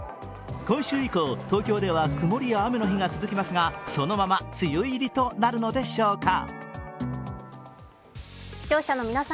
今週以降、東京では曇りや雨の日が続きますがそのまま梅雨入りとなるのでしょうか？